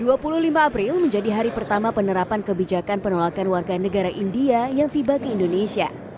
dua puluh lima april menjadi hari pertama penerapan kebijakan penolakan warga negara india yang tiba ke indonesia